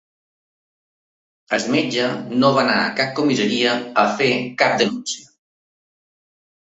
El metge no va anar a cap comissaria a fer cap denúncia.